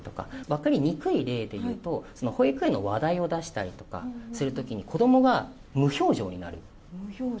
分かりにくい例でいうと保育園の話題を出したりすると子供が無表情になる。